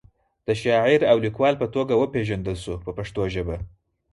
د شاعر او لیکوال په توګه وپیژندل شو په پښتو ژبه.